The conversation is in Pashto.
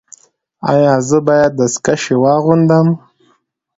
ایا زه باید دستکشې واغوندم؟